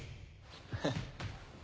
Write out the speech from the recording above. フッ。